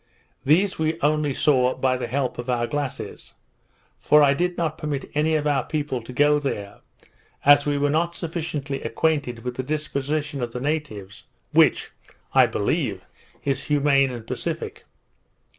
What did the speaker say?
These we only saw by the help of our glasses; for I did not permit any of our people to go there, as we were not sufficiently acquainted with the disposition of the natives, which (I believe) is humane and pacific.